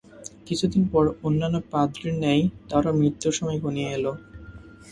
কিছুদিন পর অন্যান্য পাদ্রীর ন্যায় তারও মৃত্যুর সময় ঘনিয়ে এল।